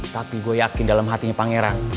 tapi gue yakin dalam hatinya pangeran